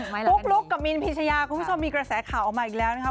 ปุ๊กลุ๊กกับมินพิชยาคุณผู้ชมมีกระแสข่าวออกมาอีกแล้วนะคะ